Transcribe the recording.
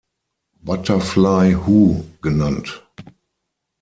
Butterfly Hu" genannt.